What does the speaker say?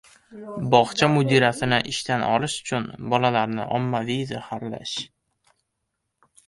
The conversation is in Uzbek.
Bog‘cha mudirasini ishdan olish uchun bolalarni ommaviy zaharlash...